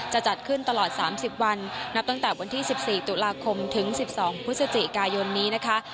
จะจัดขึ้นตลอด๓๐วันนับตั้งแต่วันที่๑๔ตุลาคมถึง๑๒พฤศจิกายนนี้นะคะ